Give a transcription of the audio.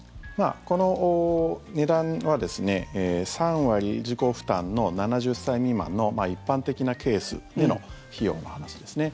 この値段は３割自己負担の７０歳未満の一般的なケースでの費用の話ですね。